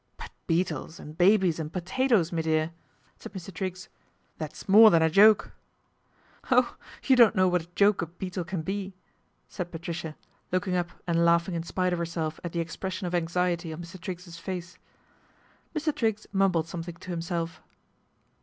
" But beetles and babies and potatoes, me dear," said Mr. Triggs. " That's more than a joke.'* " Oh ! you don't know what a joke a beetle can be," said Patricia, looking up and laughing in spite of herself at the expression of anxiety on Mr. Triggs's face. Mr. Triggs mumbled something to himself.